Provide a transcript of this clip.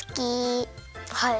はい。